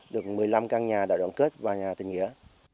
được một mươi năm căn nhà đại đoàn kết và nhà tình nghĩa